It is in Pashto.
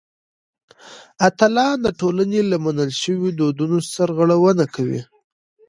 اتلان د ټولنې له منل شویو دودونو سرغړونه کوي.